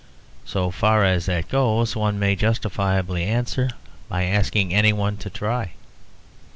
So far as that goes, one may justifiably answer by asking anyone to try.